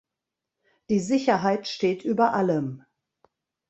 Die Sicherheit steht über allem.